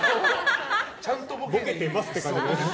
ちゃんとボケてますってなっちゃう。